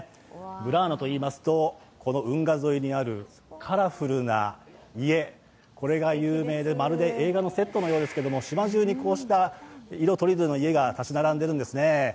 ブラーノといいますと、運河沿いにあるカラフルな家が有名でまるで映画のセットのようですけど島じゅうにこうした色とりどりの家が立ち並んでいるんですね。